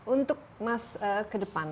untuk mas ke depan